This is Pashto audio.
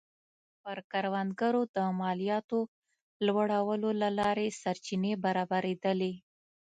پر کروندګرو د مالیاتو لوړولو له لارې سرچینې برابرېدلې